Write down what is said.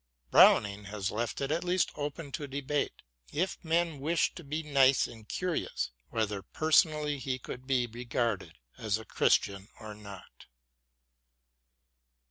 Browning has left it at least open to debate, if men wish to be nice and curious, whether personally he could be regarded as a Christian or not.